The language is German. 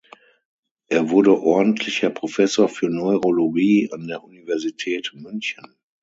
Er wurde ordentlicher Professor für Neurologie an der Universität München.